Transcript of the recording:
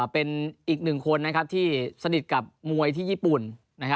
เป็นอีกหนึ่งคนที่สนิทกับมวยที่ญี่ปุ่น